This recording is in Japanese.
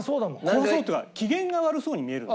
怖そうっていうか機嫌が悪そうに見えるの。